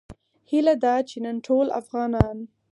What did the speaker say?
هیله ده چې نن ټول افغانان